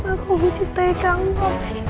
apa kamu mencintai aku